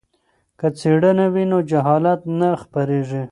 که څیړنه وي نو جهالت نه خپریږي.